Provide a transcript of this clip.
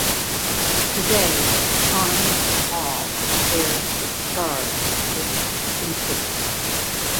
Today, Shawnee Hall bears the scars of this incident.